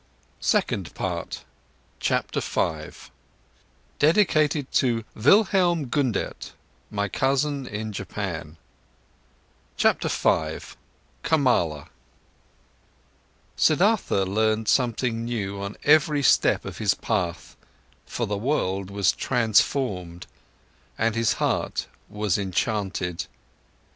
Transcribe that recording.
SECOND PART Dedicated to Wilhelm Gundert, my cousin in Japan KAMALA Siddhartha learned something new on every step of his path, for the world was transformed, and his heart was enchanted.